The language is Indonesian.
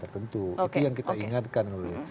tentu oke itu yang kita ingatkan dulu